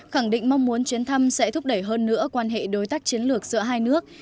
khẳng định mong muốn chuyến thăm sẽ thúc đẩy hơn nữa quan hệ đối tác chiến lược giữa hai nước